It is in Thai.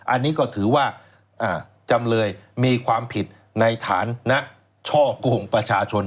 อันนี้ก็ถือว่าจำเลยมีความผิดในฐานะช่อกงประชาชน